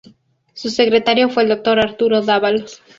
Su secretario fue el doctor Arturo Dávalos.